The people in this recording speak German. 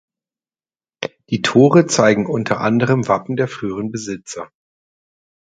Die Tore zeigen unter anderem Wappen der früheren Besitzer.